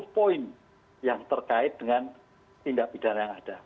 sepuluh poin yang terkait dengan tindak pidana yang ada